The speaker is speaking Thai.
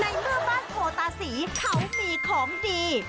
ในเมื่อบ้านโพตาศรีเขามีของดี